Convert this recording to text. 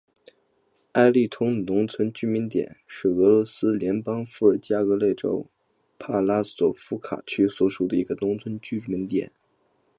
埃利通农村居民点是俄罗斯联邦伏尔加格勒州帕拉索夫卡区所属的一个农村居民点。